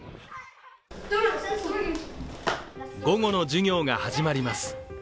午後の授業が始まります。